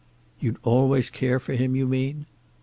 "You'd always care for him, you mean?"